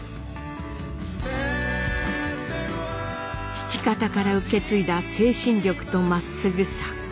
父方から受け継いだ精神力とまっすぐさ。